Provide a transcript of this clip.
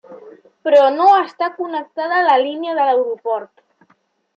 Però no està connectada a la línia de l'Aeroport.